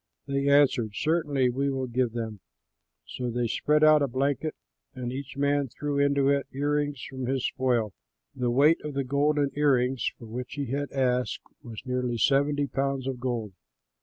They answered, "Certainly, we will give them." So they spread out a blanket and each man threw into it the ear rings from his spoil. The weight of the golden ear rings for which he had asked was nearly seventy pounds of gold.